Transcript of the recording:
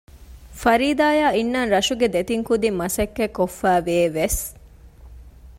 ފަރީދާއާ އިންނަން ރަށުގެ ދެތިން ކުދިން މަސައްކަތް ކޮށްފައިވޭ ވެސް